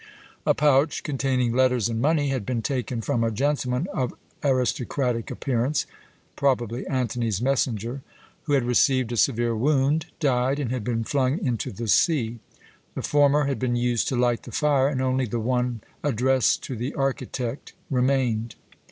A pouch containing letters and money had been taken from a gentleman of aristocratic appearance probably Antony's messenger who had received a severe wound, died, and had been flung into the sea. The former had been used to light the fire, and only the one addressed to the architect remained.